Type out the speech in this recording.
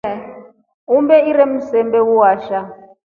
Umbe itre msembe waasha.